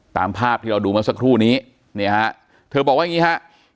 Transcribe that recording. ตามภาพที่เราดูมาสักครู่นี้เธอบอกว่าอย่างนี้ค่ะ